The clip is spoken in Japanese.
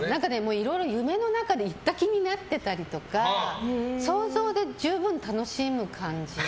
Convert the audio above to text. いろいろ夢の中で行った気になってたりとか想像で十分楽しむ感じ。